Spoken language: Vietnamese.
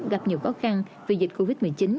gặp nhiều khó khăn vì dịch covid một mươi chín